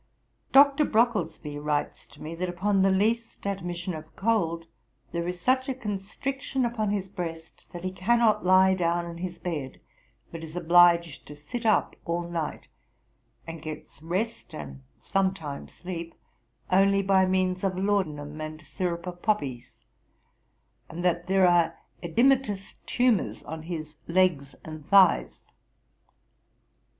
Dr. Brocklesby writes to me, that upon the least admission of cold, there is such a constriction upon his breast, that he cannot lie down in his bed, but is obliged to sit up all night, and gets rest and sometimes sleep, only by means of laudanum and syrup of poppies; and that there are oedematous tumours on his legs and thighs.